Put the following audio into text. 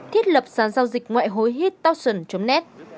thiết lập sản giao dịch ngoại hối hittoxin net